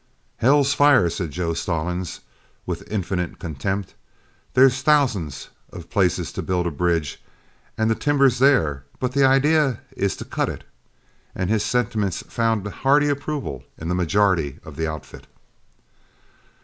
"Hell's fire," said Joe Stallings, with infinite contempt, "there's thousands of places to build a bridge, and the timber's there, but the idea is to cut it." And his sentiments found a hearty approval in the majority of the outfit.